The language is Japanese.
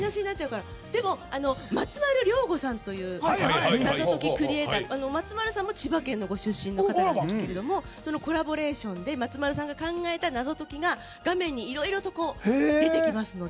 でも、松丸亮吾さんという謎解きクリエーターの方松丸さんも千葉県のご出身の方でコラボレーションで松丸さんが考えた謎解きが画面にいろいろと出てきますので。